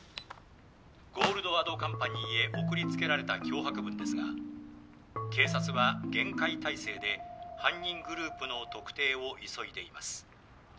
ゴールドアドカンパニーへ送りつけられた脅迫文ですが警察は厳戒態勢で犯人グループの特定を急いでいます。